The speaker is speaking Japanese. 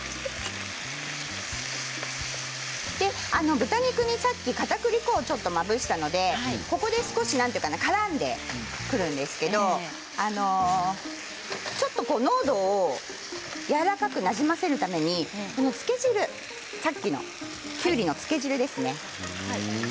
豚肉にさっきかたくり粉をちょっとまぶしたのでここで少しからんでくるんですけどもちょっと濃度をやわらかくなじませるために漬け汁、さっきのきゅうりの漬け汁ですね。